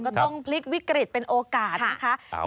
ก็ต้องพลิกวิกฤตเป็นโอกาสนะคะ